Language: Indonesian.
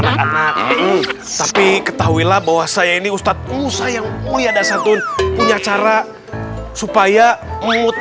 anak anak tapi ketahui lah bahwa saya ini ustadz musa yang mulia dan santun punya cara supaya mood